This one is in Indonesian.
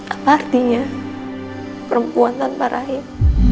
apa artinya perempuan tanpa rahim